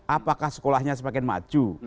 apakah sekolahnya semakin maju